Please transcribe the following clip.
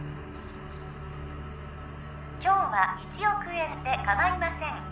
今日は１億円でかまいません